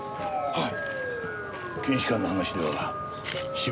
はい。